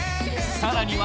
さらには